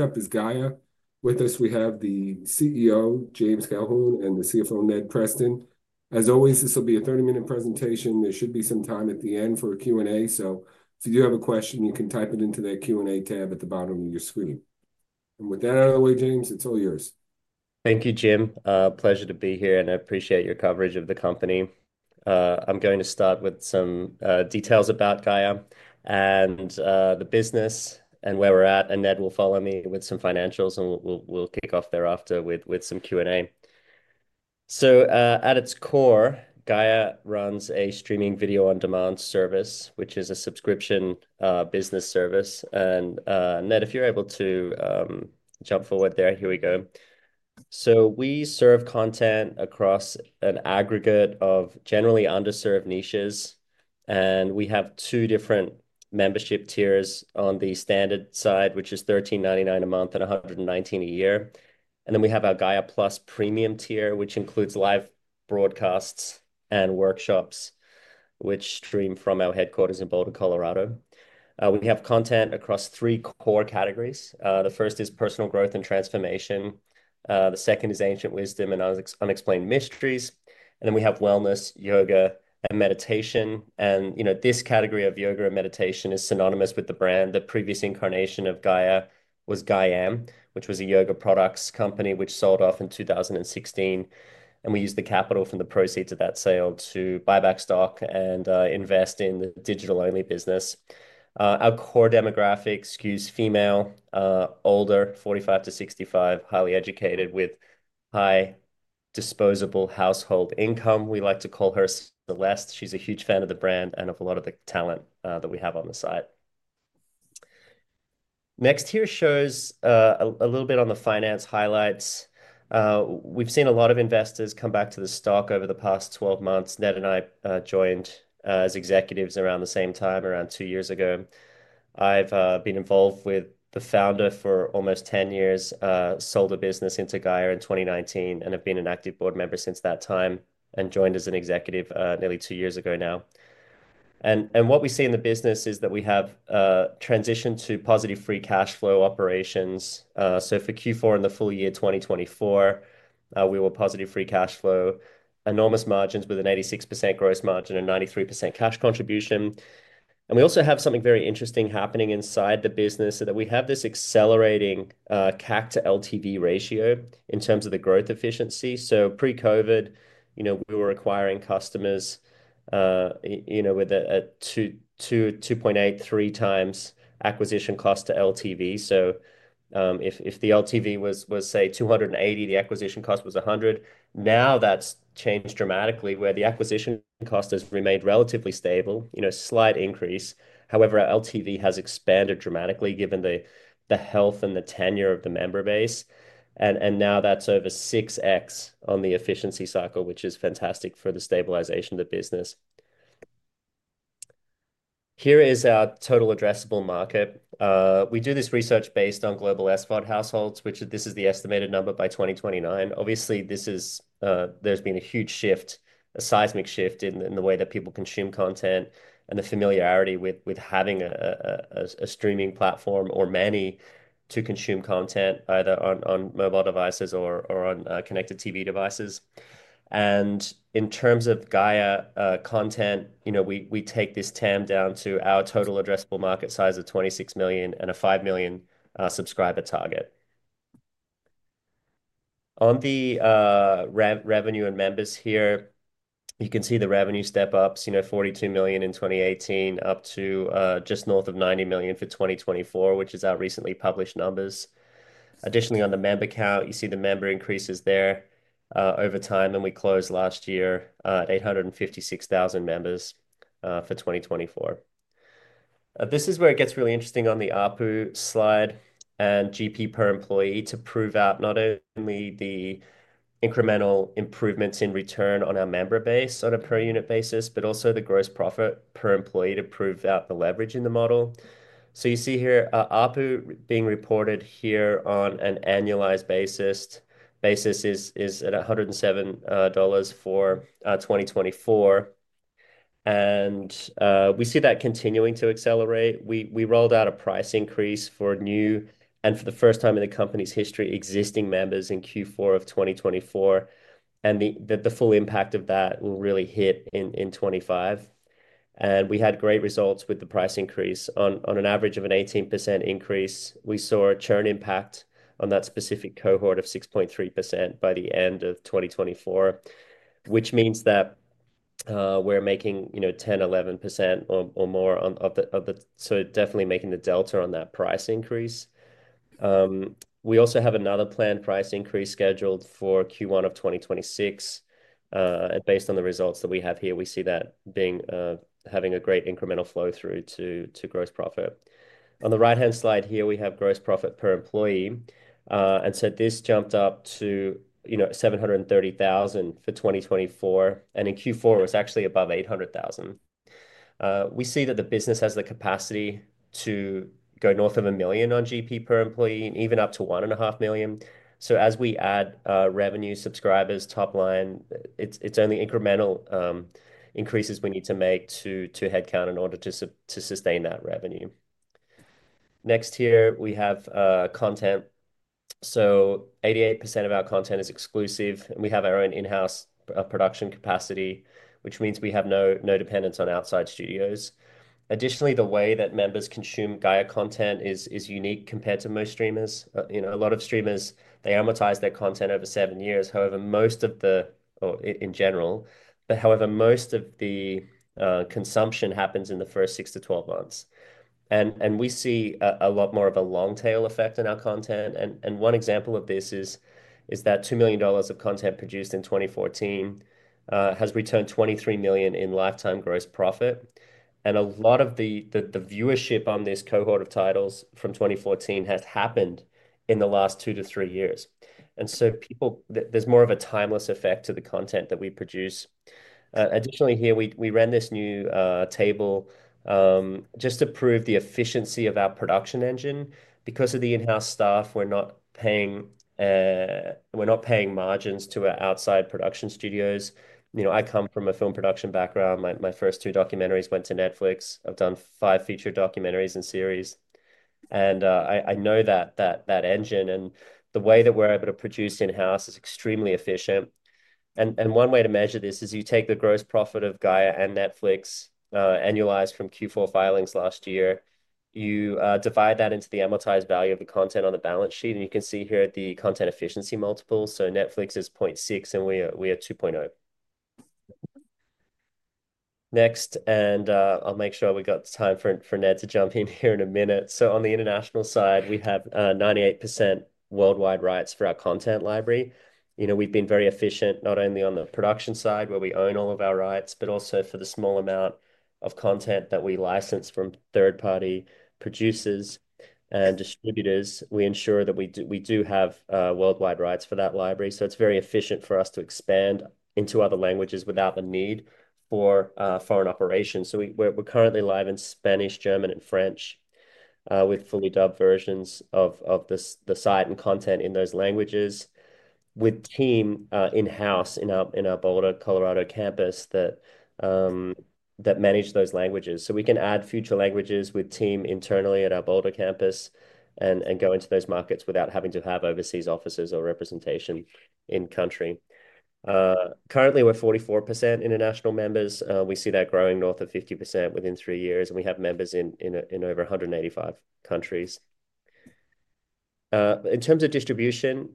Next up is Gaia. With us, we have the CEO, James Colquhoun, and the CFO, Ned Preston. As always, this will be a 30-minute presentation. There should be some time at the end for a Q&A, so if you do have a question, you can type it into that Q&A tab at the bottom of your screen. With that out of the way, James, it's all yours. Thank you, Jim. Pleasure to be here, and I appreciate your coverage of the company. I'm going to start with some details about Gaia and the business and where we're at, and Ned will follow me with some financials, and we'll kick off thereafter with some Q&A. At its core, Gaia runs a streaming video on demand service, which is a subscription business service. Ned, if you're able to jump forward there, here we go. We serve content across an aggregate of generally underserved niches, and we have two different membership tiers on the standard side, which is $13.99 a month and $119 a year. We have our Gaia Plus Premium tier, which includes live broadcasts and workshops, which stream from our headquarters in Boulder, Colorado. We have content across three core categories. The first is personal growth and transformation. The second is ancient wisdom and unexplained mysteries. Then we have wellness, yoga, and meditation. This category of yoga and meditation is synonymous with the brand. The previous incarnation of Gaia was Gaiam, which was a yoga products company which sold off in 2016. We used the capital from the proceeds of that sale to buy back stock and invest in the digital-only business. Our core demographic is female, older, 45 to 65, highly educated, with high disposable household income. We like to call her Celeste. She's a huge fan of the brand and of a lot of the talent that we have on the site. Next here shows a little bit on the finance highlights. We've seen a lot of investors come back to the stock over the past 12 months. Ned and I joined as executives around the same time, around two years ago. I've been involved with the founder for almost 10 years, sold the business into Gaia in 2019, and have been an active board member since that time and joined as an executive nearly two years ago now. What we see in the business is that we have transitioned to positive free cash flow operations. For Q4 in the full year 2024, we were positive free cash flow, enormous margins with an 86% gross margin and 93% cash contribution. We also have something very interesting happening inside the business, so that we have this accelerating CAC to LTV ratio in terms of the growth efficiency. Pre-COVID, we were acquiring customers with a 2.8-3 times acquisition cost to LTV. If the LTV was, say, $280, the acquisition cost was $100. Now that's changed dramatically, where the acquisition cost has remained relatively stable, slight increase. However, LTV has expanded dramatically given the health and the tenure of the member base. Now that's over 6x on the efficiency cycle, which is fantastic for the stabilization of the business. Here is our total addressable market. We do this research based on global SVOD households, which this is the estimated number by 2029. Obviously, there's been a huge shift, a seismic shift in the way that people consume content and the familiarity with having a streaming platform or many to consume content, either on mobile devices or on connected TV devices. In terms of Gaia content, we take this TAM down to our total addressable market size of 26 million and a 5 million subscriber target. On the revenue and members here, you can see the revenue step-ups, $42 million in 2018, up to just north of $90 million for 2024, which is our recently published numbers. Additionally, on the member count, you see the member increases there over time, and we closed last year at 856,000 members for 2024. This is where it gets really interesting on the ARPU slide and GP per employee to prove out not only the incremental improvements in return on our member base on a per-unit basis, but also the gross profit per employee to prove out the leverage in the model. You see here ARPU being reported here on an annualized basis is at $107 for 2024. We see that continuing to accelerate. We rolled out a price increase for new and for the first time in the company's history, existing members in Q4 of 2024. The full impact of that will really hit in 2025. We had great results with the price increase on an average of an 18% increase. We saw a churn impact on that specific cohort of 6.3% by the end of 2024, which means that we're making 10-11% or more of the, so definitely making the delta on that price increase. We also have another planned price increase scheduled for Q1 of 2026. Based on the results that we have here, we see that having a great incremental flow through to gross profit. On the right-hand slide here, we have gross profit per employee. This jumped up to $730,000 for 2024. In Q4, it was actually above $800,000. We see that the business has the capacity to go north of $1 million on gross profit per employee, even up to $1.5 million. As we add revenue, subscribers, top line, it's only incremental increases we need to make to headcount in order to sustain that revenue. Next here, we have content. 88% of our content is exclusive. We have our own in-house production capacity, which means we have no dependence on outside studios. Additionally, the way that members consume Gaia content is unique compared to most streamers. A lot of streamers, they amortize their content over seven years. However, most of the, or in general, most of the consumption happens in the first 6 to 12 months. We see a lot more of a long-tail effect in our content. One example of this is that $2 million of content produced in 2014 has returned $23 million in lifetime gross profit. A lot of the viewership on this cohort of titles from 2014 has happened in the last two to three years. There is more of a timeless effect to the content that we produce. Additionally, here, we ran this new table just to prove the efficiency of our production engine. Because of the in-house staff, we're not paying margins to our outside production studios. I come from a film production background. My first two documentaries went to Netflix. I've done five feature documentaries and series. I know that engine and the way that we're able to produce in-house is extremely efficient. One way to measure this is you take the gross profit of Gaia and Netflix annualized from Q4 filings last year. You divide that into the amortized value of the content on the balance sheet. You can see here the content efficiency multiples. Netflix is 0.6, and we are 2.0. Next, I'll make sure we got time for Ned to jump in here in a minute. On the international side, we have 98% worldwide rights for our content library. We've been very efficient, not only on the production side where we own all of our rights, but also for the small amount of content that we license from third-party producers and distributors. We ensure that we do have worldwide rights for that library. It's very efficient for us to expand into other languages without the need for foreign operations. We're currently live in Spanish, German, and French with fully dubbed versions of the site and content in those languages with team in-house in our Boulder, Colorado campus that manage those languages. We can add future languages with the team internally at our Boulder campus and go into those markets without having to have overseas offices or representation in country. Currently, we're 44% international members. We see that growing north of 50% within three years. We have members in over 185 countries. In terms of distribution,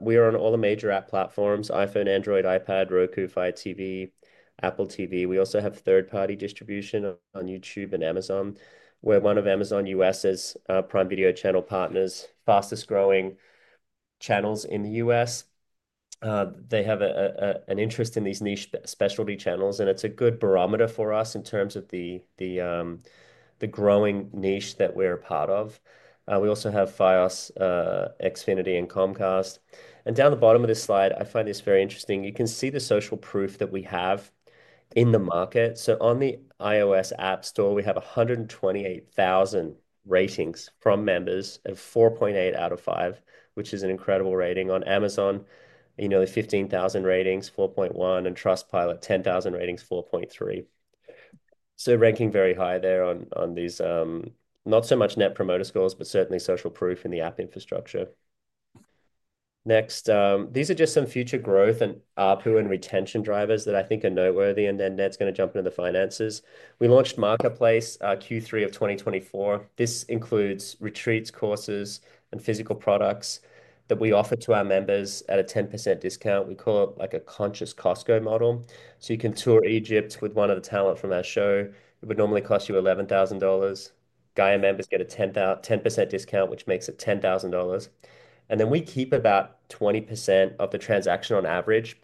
we are on all the major app platforms: iPhone, Android, iPad, Roku, Fire TV, Apple TV. We also have third-party distribution on YouTube and Amazon, where we are one of Amazon US's Prime Video channel partners, fastest growing channels in the US. They have an interest in these niche specialty channels, and it's a good barometer for us in terms of the growing niche that we're a part of. We also have Fios, Xfinity, and Comcast. Down at the bottom of this slide, I find this very interesting. You can see the social proof that we have in the market. On the iOS App Store, we have 128,000 ratings from members of 4.8 out of 5, which is an incredible rating. On Amazon, 15,000 ratings, 4.1, and Trustpilot, 10,000 ratings, 4.3. Ranking very high there on these not so much Net Promoter Scores, but certainly social proof in the app infrastructure. Next, these are just some future growth and ARPU and retention drivers that I think are noteworthy. Then Ned's going to jump into the finances. We launched Marketplace Q3 of 2024. This includes retreats, courses, and physical products that we offer to our members at a 10% discount. We call it like a conscious Costco model. You can tour Egypt with one of the talent from our show. It would normally cost you $11,000. Gaia members get a 10% discount, which makes it $10,000. We keep about 20% of the transaction on average.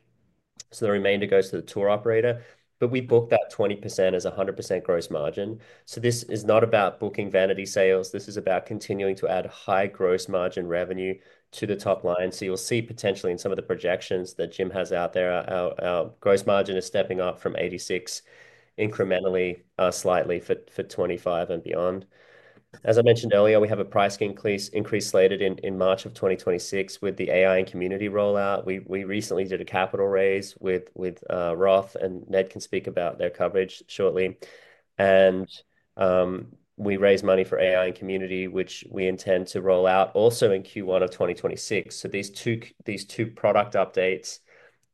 The remainder goes to the tour operator. We book that 20% as a 100% gross margin. This is not about booking vanity sales. This is about continuing to add high gross margin revenue to the top line. You will see potentially in some of the projections that Jim has out there, our gross margin is stepping up from 86% incrementally slightly for 2025 and beyond. As I mentioned earlier, we have a price increase slated in March of 2026 with the AI and community rollout. We recently did a capital raise with Roth, and Ned can speak about their coverage shortly. We raised money for AI and community, which we intend to roll out also in Q1 of 2026. These two product updates,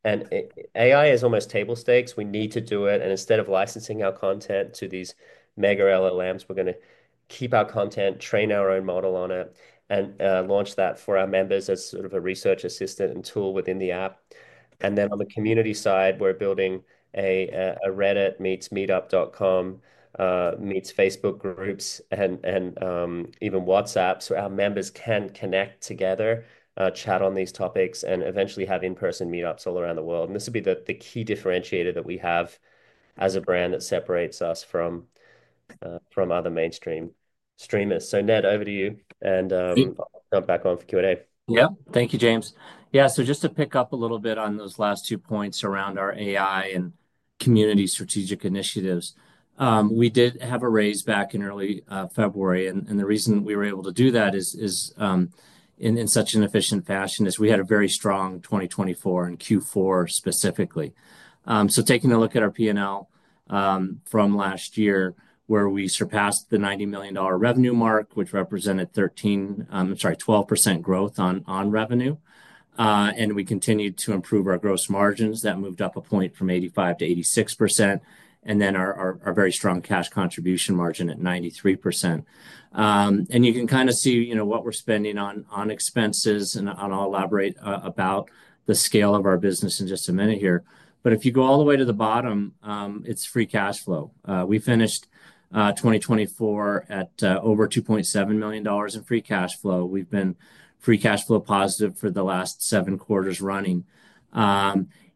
and AI is almost table stakes. We need to do it. Instead of licensing our content to these mega LLMs, we're going to keep our content, train our own model on it, and launch that for our members as sort of a research assistant and tool within the app. On the community side, we're building a Reddit meets Meetup.com, meets Facebook groups, and even WhatsApp so our members can connect together, chat on these topics, and eventually have in-person meetups all around the world. This will be the key differentiator that we have as a brand that separates us from other mainstream streamers. Ned, over to you, and I'll jump back on for Q&A. Yeah, thank you, James. Yeah, so just to pick up a little bit on those last two points around our AI and community strategic initiatives, we did have a raise back in early February. The reason we were able to do that in such an efficient fashion is we had a very strong 2024 in Q4 specifically. Taking a look at our P&L from last year, we surpassed the $90 million revenue mark, which represented 13, sorry, 12% growth on revenue. We continued to improve our gross margins. That moved up a point from 85% to 86%. Then our very strong cash contribution margin at 93%. You can kind of see what we're spending on expenses. I'll elaborate about the scale of our business in just a minute here. If you go all the way to the bottom, it's free cash flow. We finished 2024 at over $2.7 million in free cash flow. We've been free cash flow positive for the last seven quarters running.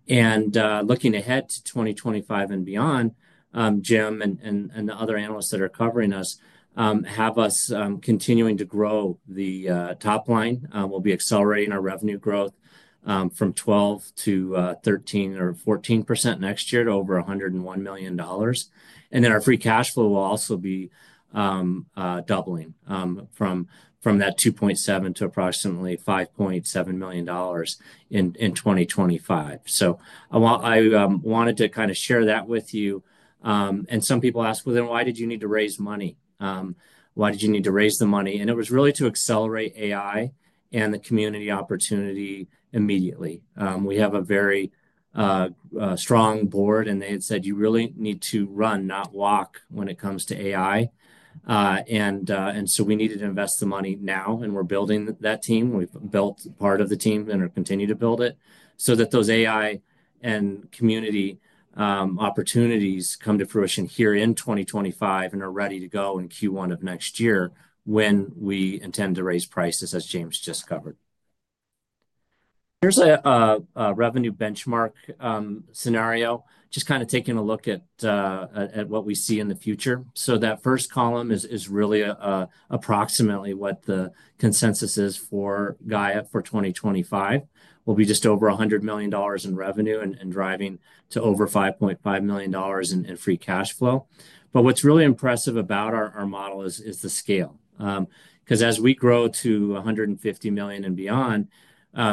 Looking ahead to 2025 and beyond, Jim and the other analysts that are covering us have us continuing to grow the top line. We'll be accelerating our revenue growth from 12-13 or 14% next year to over $101 million. Our free cash flow will also be doubling from that $2.7 million to approximately $5.7 million in 2025. I wanted to kind of share that with you. Some people asked, "Why did you need to raise money? Why did you need to raise the money?" It was really to accelerate AI and the community opportunity immediately. We have a very strong board, and they had said, "You really need to run, not walk when it comes to AI." We needed to invest the money now, and we're building that team. We've built part of the team and are continuing to build it so that those AI and community opportunities come to fruition here in 2025 and are ready to go in Q1 of next year when we intend to raise prices, as James just covered. Here is a revenue benchmark scenario, just kind of taking a look at what we see in the future. That first column is really approximately what the consensus is for Gaia for 2025. We'll be just over $100 million in revenue and driving to over $5.5 million in free cash flow. What is really impressive about our model is the scale. Because as we grow to 150 million and beyond,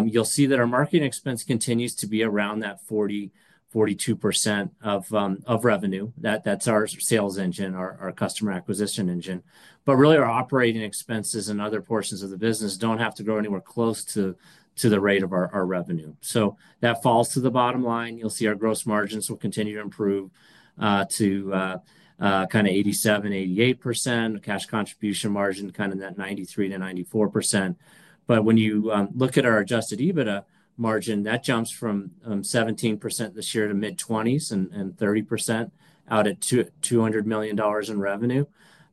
you'll see that our marketing expense continues to be around that 40-42% of revenue. That's our sales engine, our customer acquisition engine. Really, our operating expenses and other portions of the business don't have to go anywhere close to the rate of our revenue. That falls to the bottom line. You'll see our gross margins will continue to improve to kind of 87-88%. Cash contribution margin kind of that 93-94%. When you look at our adjusted EBITDA margin, that jumps from 17% this year to mid-20s and 30% out at $200 million in revenue.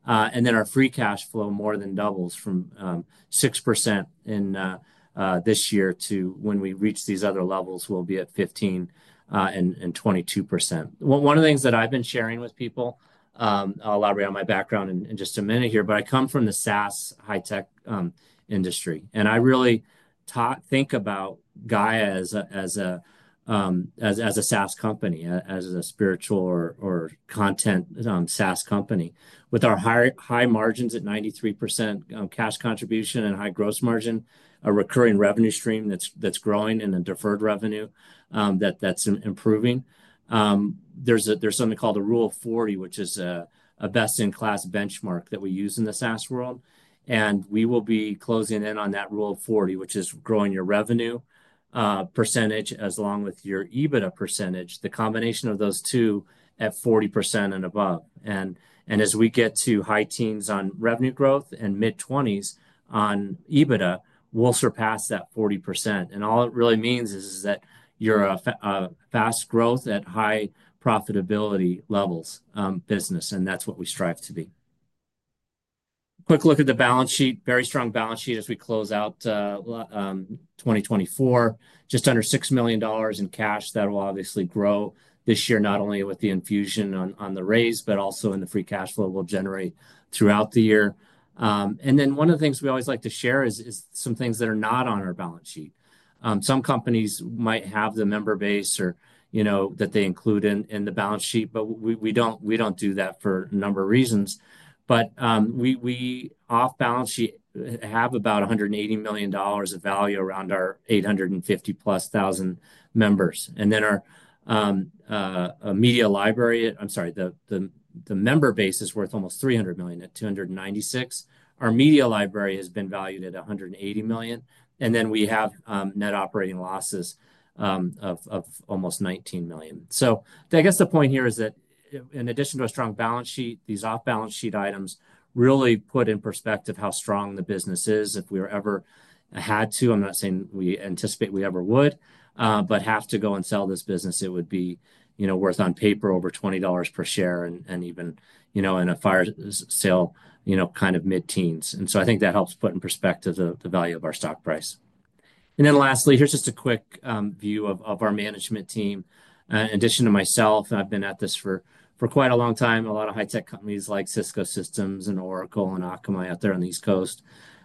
Our free cash flow more than doubles from 6% this year to when we reach these other levels, we'll be at 15% and 22%. One of the things that I've been sharing with people, I'll elaborate on my background in just a minute here, but I come from the SaaS high-tech industry. I really think about Gaia as a SaaS company, as a spiritual or content SaaS company. With our high margins at 93% cash contribution and high gross margin, a recurring revenue stream that's growing and a deferred revenue that's improving. There is something called a Rule of 40, which is a best-in-class benchmark that we use in the SaaS world. We will be closing in on that Rule of 40, which is growing your revenue percentage along with your EBITDA percentage, the combination of those two at 40% and above. As we get to high teens on revenue growth and mid-20s on EBITDA, we'll surpass that 40%. All it really means is that you're a fast-growth at high-profitability levels business, and that's what we strive to be. Quick look at the balance sheet, very strong balance sheet as we close out 2024, just under $6 million in cash that will obviously grow this year, not only with the infusion on the raise, but also in the free cash flow we'll generate throughout the year. One of the things we always like to share is some things that are not on our balance sheet. Some companies might have the member base that they include in the balance sheet, but we don't do that for a number of reasons. We off-balance sheet have about $180 million of value around our 850-plus thousand members. Our media library, I'm sorry, the member base is worth almost $300 million at 296. Our media library has been valued at $180 million. We have net operating losses of almost $19 million. I guess the point here is that in addition to a strong balance sheet, these off-balance sheet items really put in perspective how strong the business is. If we were ever had to, I'm not saying we anticipate we ever would, but have to go and sell this business, it would be worth on paper over $20 per share and even in a fire sale kind of mid-teens. I think that helps put in perspective the value of our stock price. Lastly, here's just a quick view of our management team. In addition to myself, I've been at this for quite a long time. A lot of high-tech companies like Cisco Systems and Oracle and Akamai out there on the East Coast.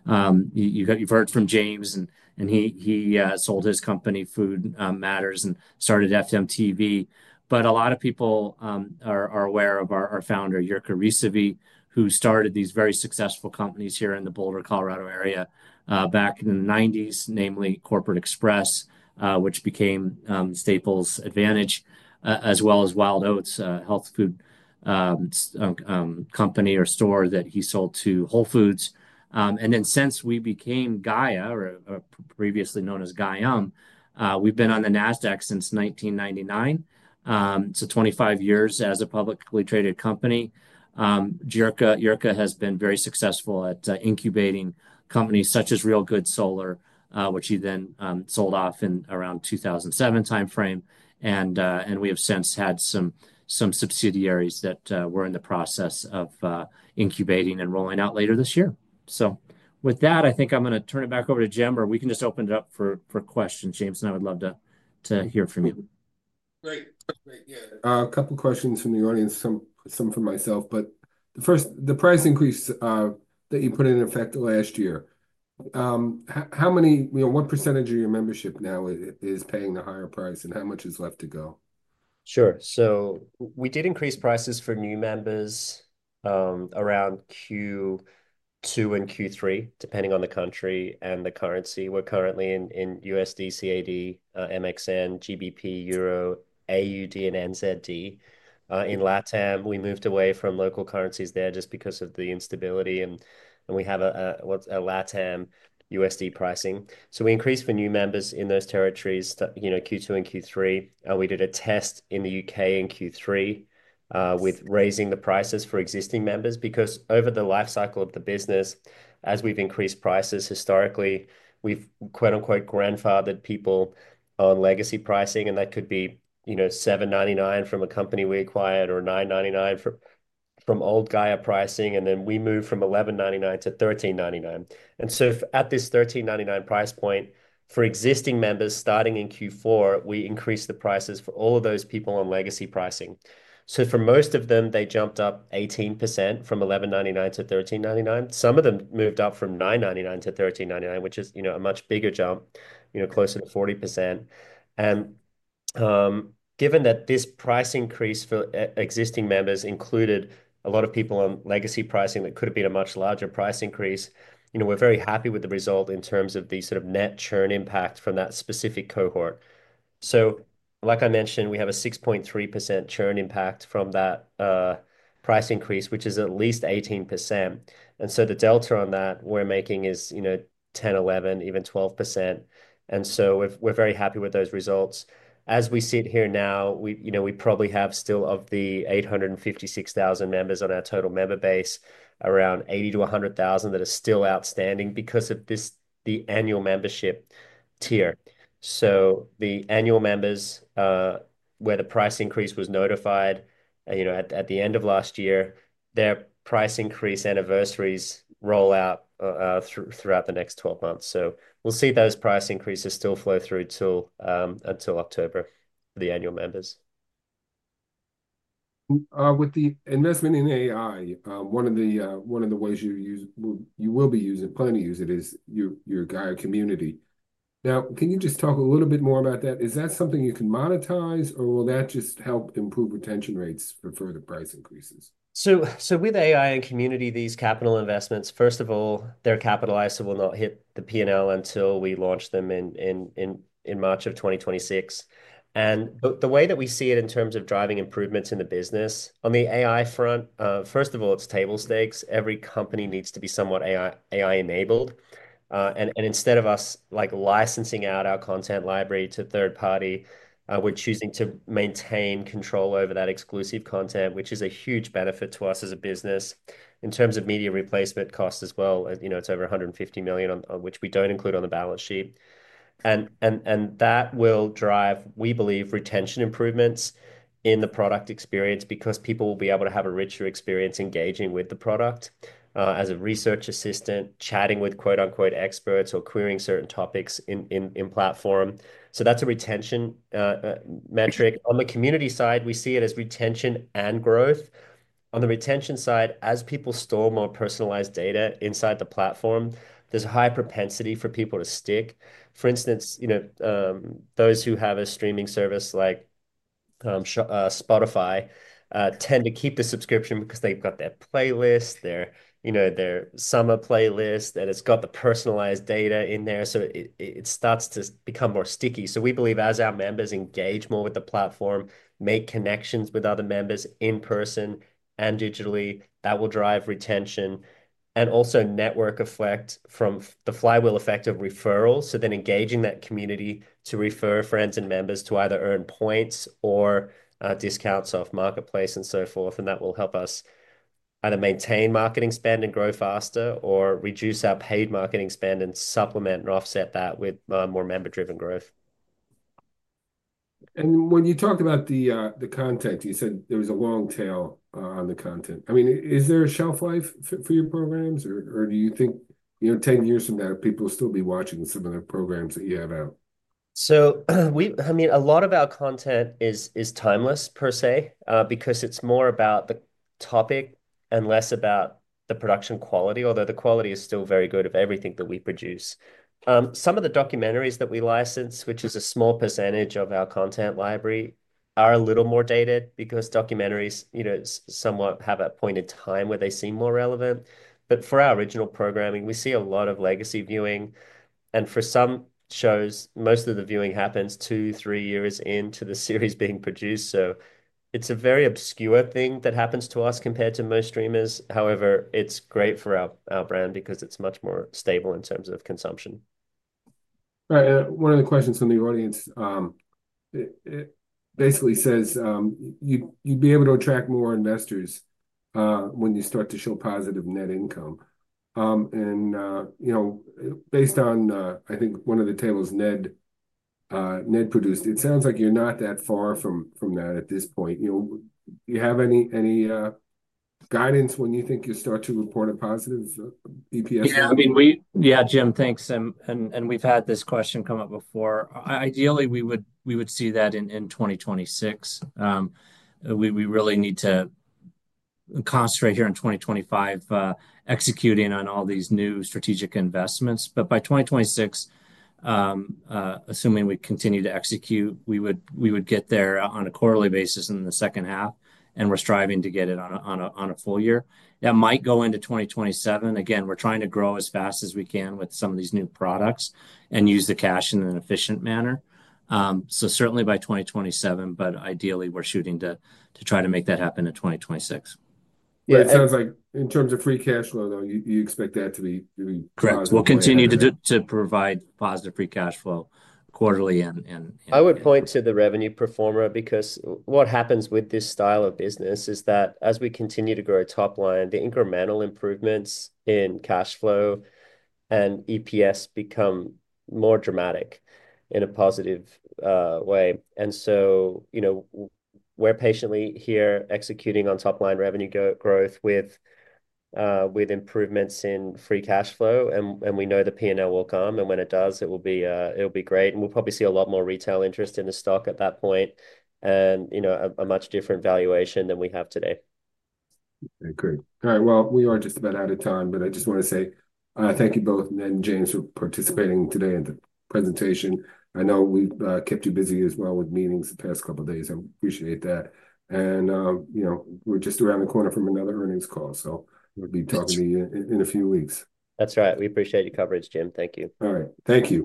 You've heard from James, and he sold his company, Food Matters, and started FMTV. A lot of people are aware of our founder, Jirka Rysavy, who started these very successful companies here in the Boulder, Colorado area back in the 1990s, namely Corporate Express, which became Staples Advantage, as well as Wild Oats, a health food company or store that he sold to Whole Foods. Since we became Gaia, or previously known as Gaiam, we've been on the Nasdaq since 1999. That is 25 years as a publicly traded company. Jirka has been very successful at incubating companies such as Real Goods Solar, which he then sold off in around the 2007 timeframe. We have since had some subsidiaries that were in the process of incubating and rolling out later this year. With that, I think I'm going to turn it back over to Jim, or we can just open it up for questions. James and I would love to hear from you. Great. Yeah. A couple of questions from the audience, some from myself. The price increase that you put in effect last year, what percentage of your membership now is paying the higher price, and how much is left to go? Sure. We did increase prices for new members around Q2 and Q3, depending on the country and the currency. We're currently in USD, CAD, MXN, GBP, EUR, AUD, and NZD. In LATAM, we moved away from local currencies there just because of the instability, and we have a LATAM USD pricing. We increased for new members in those territories Q2 and Q3. We did a test in the U.K. in Q3 with raising the prices for existing members because over the lifecycle of the business, as we've increased prices historically, we've "grandfathered" people on legacy pricing, and that could be $7.99 from a company we acquired or $9.99 from old Gaia pricing, and then we moved from $11.99 to $13.99. At this $13.99 price point for existing members starting in Q4, we increased the prices for all of those people on legacy pricing. For most of them, they jumped up 18% from $11.99 to $13.99. Some of them moved up from $9.99 to $13.99, which is a much bigger jump, closer to 40%. Given that this price increase for existing members included a lot of people on legacy pricing that could have been a much larger price increase, we're very happy with the result in terms of the sort of net churn impact from that specific cohort. Like I mentioned, we have a 6.3% churn impact from that price increase, which is at least 18%. The delta on that we're making is 10-11, even 12%. We're very happy with those results. As we sit here now, we probably have still of the 856,000 members on our total member base, around 80,000-100,000 that are still outstanding because of the annual membership tier. The annual members where the price increase was notified at the end of last year, their price increase anniversaries roll out throughout the next 12 months. We will see those price increases still flow through until October for the annual members. With the investment in AI, one of the ways you will be using, plan to use it is your Gaia community. Now, can you just talk a little bit more about that? Is that something you can monetize, or will that just help improve retention rates for further price increases? With AI and community, these capital investments, first of all, they are capitalized, so will not hit the P&L until we launch them in March of 2026. The way that we see it in terms of driving improvements in the business, on the AI front, first of all, it is table stakes. Every company needs to be somewhat AI-enabled. Instead of us licensing out our content library to third party, we're choosing to maintain control over that exclusive content, which is a huge benefit to us as a business in terms of media replacement costs as well. It's over $150 million, which we don't include on the balance sheet. That will drive, we believe, retention improvements in the product experience because people will be able to have a richer experience engaging with the product as a research assistant, chatting with "experts" or querying certain topics in platform. That's a retention metric. On the community side, we see it as retention and growth. On the retention side, as people store more personalized data inside the platform, there's a high propensity for people to stick. For instance, those who have a streaming service like Spotify tend to keep the subscription because they've got their playlist, their summer playlist, and it's got the personalized data in there. It starts to become more sticky. We believe as our members engage more with the platform, make connections with other members in person and digitally, that will drive retention and also network effect from the flywheel effect of referrals. Engaging that community to refer friends and members to either earn points or discounts off Marketplace and so forth will help us either maintain marketing spend and grow faster or reduce our paid marketing spend and supplement and offset that with more member-driven growth. When you talked about the content, you said there was a long tail on the content. I mean, is there a shelf life for your programs, or do you think 10 years from now, people will still be watching some of the programs that you have out? I mean, a lot of our content is timeless per se because it's more about the topic and less about the production quality, although the quality is still very good of everything that we produce. Some of the documentaries that we license, which is a small percentage of our content library, are a little more dated because documentaries somewhat have a point in time where they seem more relevant. For our original programming, we see a lot of legacy viewing. For some shows, most of the viewing happens two, three years into the series being produced. It is a very obscure thing that happens to us compared to most streamers. However, it's great for our brand because it's much more stable in terms of consumption. Right. One of the questions from the audience basically says, "You'd be able to attract more investors when you start to show positive net income." Based on, I think, one of the tables Ned produced, it sounds like you're not that far from that at this point. Do you have any guidance when you think you start to report a positive EPS? Yeah. I mean, yeah, Jim, thanks. We've had this question come up before. Ideally, we would see that in 2026. We really need to concentrate here in 2025 executing on all these new strategic investments. By 2026, assuming we continue to execute, we would get there on a quarterly basis in the second half, and we're striving to get it on a full year. That might go into 2027. Again, we're trying to grow as fast as we can with some of these new products and use the cash in an efficient manner. Certainly by 2027, but ideally, we're shooting to try to make that happen in 2026. Yeah. It sounds like in terms of free cash flow, though, you expect that to be positive. Correct. We'll continue to provide positive free cash flow quarterly. I would point to the revenue performer because what happens with this style of business is that as we continue to grow topline, the incremental improvements in cash flow and EPS become more dramatic in a positive way. We are patiently here executing on topline revenue growth with improvements in free cash flow, and we know the P&L will come. When it does, it will be great. We will probably see a lot more retail interest in the stock at that point and a much different valuation than we have today. Great. All right. We are just about out of time, but I just want to say thank you both, Ned and James, for participating today in the presentation. I know we kept you busy as well with meetings the past couple of days. I appreciate that. We are just around the corner from another earnings call, so we will be talking to you in a few weeks. That's right. We appreciate your coverage, Jim. Thank you. All right. Thank you.